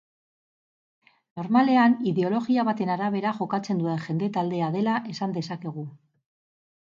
Normalean ideologia baten arabera jokatzen duen jende taldea dela esan dezakegu.